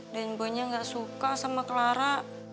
deng boi nya gak suka sama clara